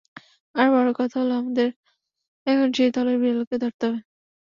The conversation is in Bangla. আর বড় কথা হলো আমাদের এখন সেই থলের বিড়ালকে ধরতে হবে।